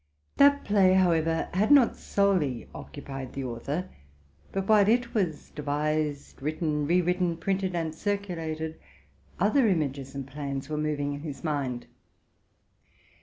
That play, however, had not solely occupied the author ; but while it was devised, written, re written, printed, and circulated, other images and plans were moving in his mind.